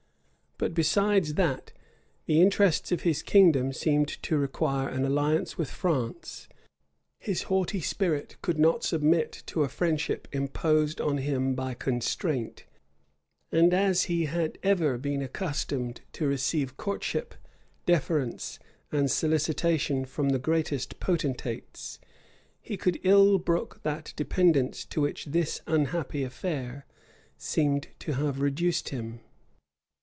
But besides that the interests of his kingdom seemed to require an alliance with France, his haughty spirit could not submit to a friendship imposed on him by constraint; and as he had ever been accustomed to receive courtship, deference, and solicitation from the greatest potentates, he could ill brook that dependence to which this unhappy affair seemed to have reduced him.